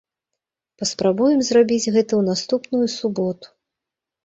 Паспрабуем зрабіць гэта ў наступную суботу!